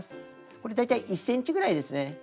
これ大体１ｃｍぐらいですね。